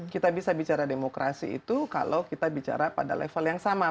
kita bisa bicara demokrasi itu kalau kita bicara pada level yang sama